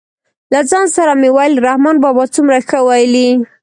له ځان سره مې ویل رحمان بابا څومره ښه ویلي.